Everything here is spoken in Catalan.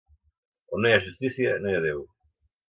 On no hi ha justícia, no hi ha Déu.